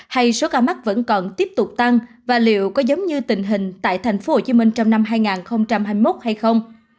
hay số ca mắc vẫn còn tiếp tục tăng và liệu có giống như tình hình tại tp hcm trong năm hai nghìn hai mươi một hay không